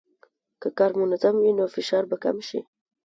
که کار منظم وي، نو فشار به کم شي.